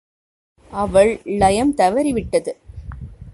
அவள் லயம் தவறிவிட்டது.